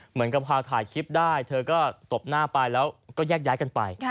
เหมือนกับพาถ่ายคลิปได้เธอก็ตบหน้าไปแล้วก็แยกกันไป